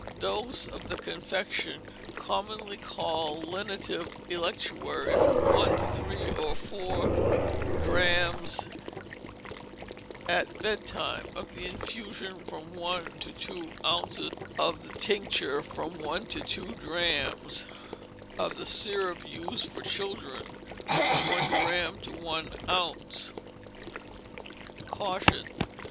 Dose, of the confection, commonly called "lenitive electuary," from one to three or four drachma at bedtime; of the infusion, from one to two ounces; of the tincture, irom one to two drachms; of the syrup (used for children), from one drachm to one ounce. _Caution.